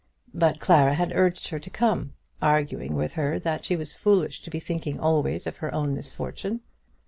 But Clara had urged her to come, arguing with her that she was foolish to be thinking always of her own misfortune.